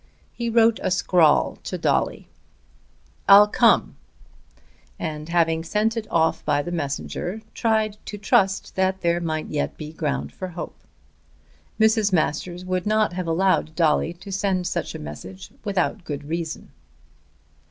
He wrote a scrawl to Dolly, "I'll come," and, having sent it off by the messenger, tried to trust that there might yet be ground for hope. Mrs. Masters would not have allowed Dolly to send such a message without good reason.